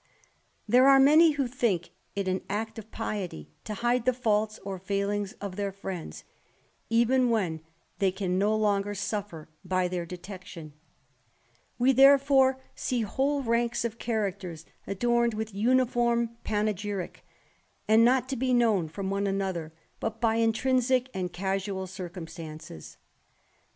There are many who think it an act of piety to hide the faults or failings of their friends, even when they can no longer suffer by their detection ; we therefore see whole ranks of characters adorned with imiform panegyrick, and not to be known from one another, but by extrinsick and casual circumstances.